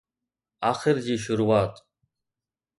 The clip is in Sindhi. آخر جي شروعات؟